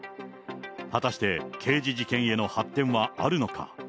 果たして刑事事件への発展はあるのか。